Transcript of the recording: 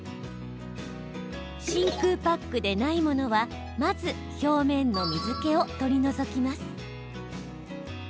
真空パックでないものはまず、表面の水けを取り除きます。